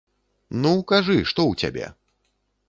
Ну, кажы, што ў цябе?